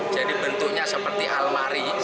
jadi bentuknya seperti almari